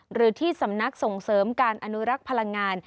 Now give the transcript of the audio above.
หรือที่สำนักส่งเสริมการอนุรักษ์พลังงาน